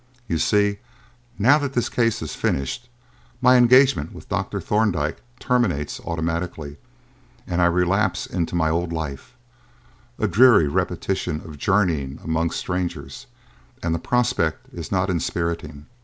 You see, now that this case is finished, my engagement with Dr. Thorndyke terminates automatically, and I relapse into my old life a dreary repetition of journeying amongst strangers and the prospect is not inspiriting.